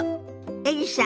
エリさん